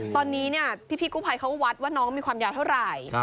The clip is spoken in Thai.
ตอนนี้พี่กู้ภัยเขาวัดว่าน้องมีความยาวเท่าไหร่